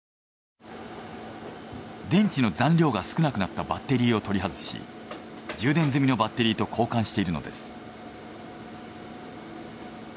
電池の残量が少なくなったバッテリーを取り外し充電済みのバッテリーと交換しているのです。